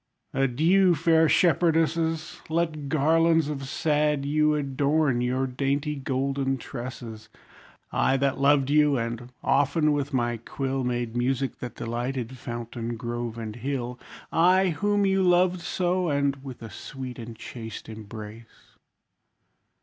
Adieu! Fair shepherdesses! Let garlands of sad yew Adorn your dainty golden tresses. I, that loved you, and often with my quill, Made music that delighted fountain, grove, and hill; I, whom you loved so, and with a sweet and chaste embrace.